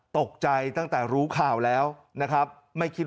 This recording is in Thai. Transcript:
ตกใจตั้งแต่รู้ข่าวแล้วนะครับไม่คิด